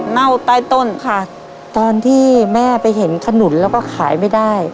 เ่าใต้ต้นค่ะตอนที่แม่ไปเห็นขนุนแล้วก็ขายไม่ได้